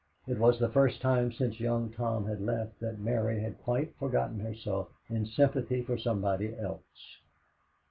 It was the first time since Young Tom had left that Mary had quite forgotten herself in sympathy for somebody else.